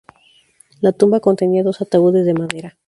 La tumba contenía dos ataúdes de madera.